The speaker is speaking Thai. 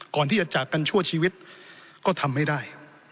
ก่อนที่จะจากกันชั่วชีวิตก็ทำให้ได้